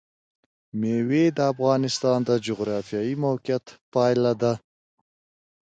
مېوې د افغانستان د جغرافیایي موقیعت پایله ده.